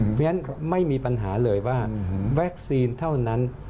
เพราะฉะนั้นไม่มีปัญหาเลยว่าวัคซีนเท่านั้น